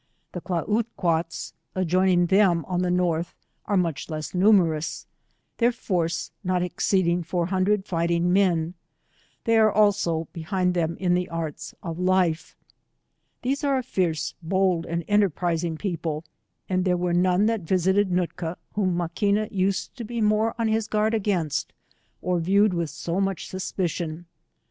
\ 93 The Kla oo quates adjoiaiug them on the NortI* are much less numerous, their force not exceeding four hundred fighting men ; they are also behind them in th« arts of life. These are a fierce, bold, and enterprizing people, and there were none that visited Nootka, whom Maquina used to be more on bis guard against, or viewed with so much su^pici on.